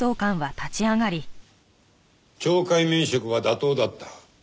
懲戒免職は妥当だった。